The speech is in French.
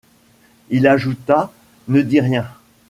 Il ajouta :— Ne dis rien.